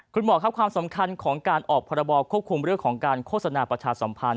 คุณหมอครับความสำคัญของการออกพรบควบคุมเรื่องของการโฆษณาประชาสัมพันธ